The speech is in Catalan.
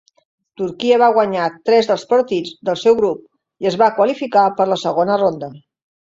Turquia va guanyar tres dels partits del seu grup i es va qualificar per la segona ronda.